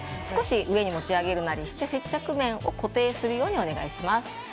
少し上に持ち上げるなどして接着面を固定するようにお願いします。